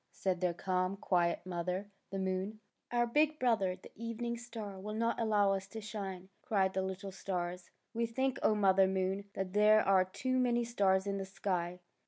'' said their calm, quiet mother, the moon. Our big brother, the evening star, will not allow us to shine! " cried the little stars. '' We think, O Mother Moon, that there are too many stars in the sky."